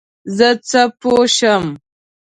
زه څه پوه شم ؟